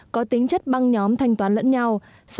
có tính chất băng nhóm thanh toán lẫn nhau